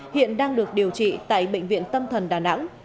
hiện đang được điều trị tại bệnh viện tâm thần đà nẵng